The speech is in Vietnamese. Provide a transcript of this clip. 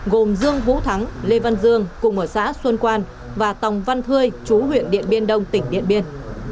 gồm dương vũ thắng lê văn dương cùng ở xã xuân quan và tòng văn thơi chú huyện điện biên đông tỉnh điện biên